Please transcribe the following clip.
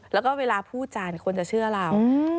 แล้วก็เวลาพูดจานคนจะเชื่อเรา